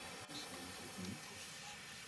kuhamisha watoto wa kikundi hicho kuwa wamoja